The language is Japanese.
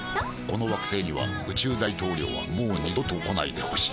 この惑星には宇宙大統領はもう二度と来ないでほしい「ＢＯＳＳ」